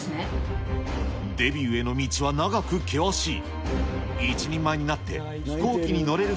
デビューへの道は長く険しい。